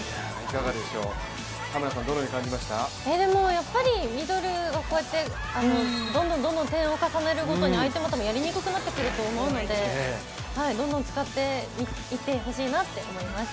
やっぱりミドルがどんどん点を重ねるごとに相手もやりにくくなってくると思うので、どんどん使っていってほしいなと思います。